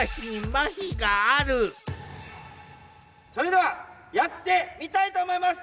それではやってみたいと思います！